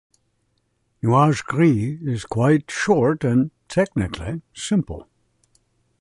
"Nuages gris" is quite short and technically simple.